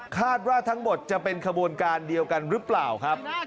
คาดว่าทั้งหมดจะเป็นขบวนการเดียวกันหรือเปล่าครับ